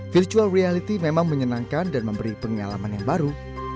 virtual reality memang menyenangkan dan memberi pengalaman yang baru